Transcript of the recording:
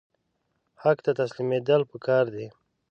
حق ته تسلیمیدل پکار دي